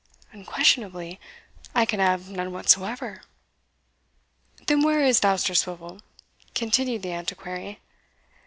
"Unquestionably, I can have none whatsoever." "Then where is Dousterswivel?" continued the Antiquary.